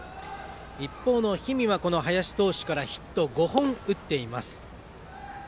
一方の氷見はこの林投手からヒット５本、打っています。